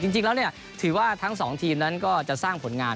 จริงแล้วถือว่าทั้งสองทีมนั้นก็จะสร้างผลงาน